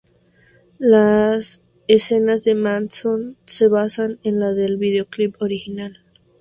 Las escenas de Manson se basan en las del videoclip original.